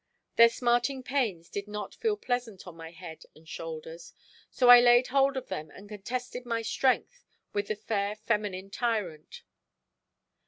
Their smarting pains did not feel pleasant on my head and shoulders, so I laid hold of them and contested my strength with the fair feminine tyrant.